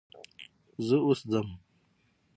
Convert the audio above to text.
زه اوس ځم .